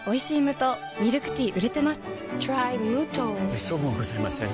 めっそうもございません。